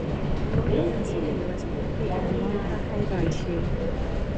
ممکن ځینې لوستونکي عنوان ته حیران شي.